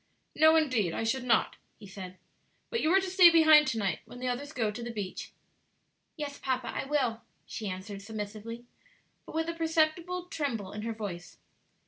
"No, indeed, I should not," he said; "but you are to stay behind to night when the others go to the beach." "Yes, papa, I will," she answered submissively, but with a perceptible tremble in her voice.